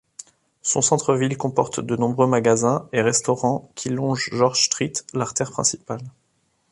Son centre-ville comporte de nombreux magasins et restaurants qui longent George Street, l'artère principale.